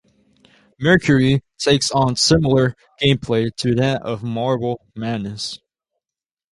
"Mercury" takes on similar gameplay to that of "Marble Madness".